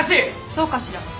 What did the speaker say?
そうかしら？